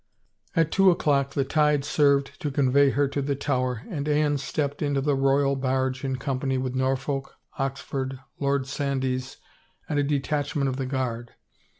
At two o'clock the tide served to convey her to the Tower and Anne stepped into the royal barge in com pany with Norfolk, Oxford, Lord Sandys, and a detach ment of the guard.